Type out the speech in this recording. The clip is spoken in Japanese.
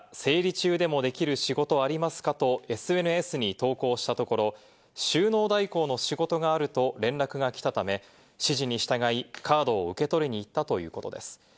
佐藤容疑者は、生理中でもできる仕事ありますかとＳＮＳに投稿したところ、収納代行の仕事があると連絡が来たため、指示に従い、カードを受け取りに行ったということです。